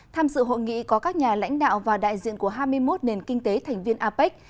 tham dự hội nghị có các nhà lãnh đạo và đại diện của hai mươi một nền kinh tế thành viên apec